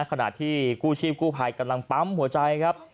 ขณะที่กู้ชีพกู้ภัยกำลังปั๊มหัวใจครับ